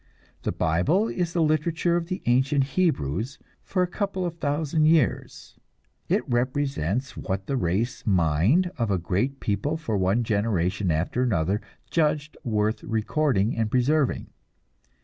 The Bible is the literature of the ancient Hebrews for a couple of thousand years. It represents what the race mind of a great people for one generation after another judged worth recording and preserving.